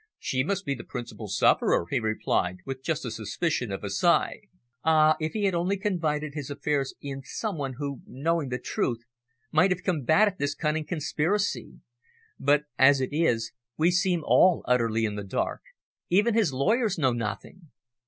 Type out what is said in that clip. She must be the principal sufferer," he replied, with just a suspicion of a sigh. "Ah, if he had only confided his affairs in some one who, knowing the truth, might have combated this cunning conspiracy! But, as it is, we seem all utterly in the dark. Even his lawyers know nothing!"